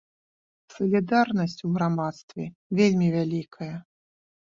Салідарнасць у грамадстве вельмі вялікая.